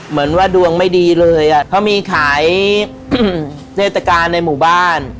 เหมือนว่าดวงไม่ดีเลยอ่ะเพราะมีขายเทศกาลในหมู่บ้าน